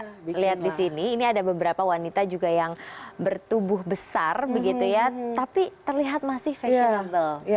kita lihat di sini ini ada beberapa wanita juga yang bertubuh besar begitu ya tapi terlihat masih fashionable